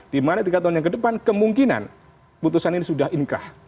dimana tiga tahun yang ke depan kemungkinan putusan ini sudah inkrah